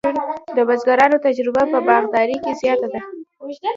د بزګرانو تجربه په باغدارۍ کې زیاته ده.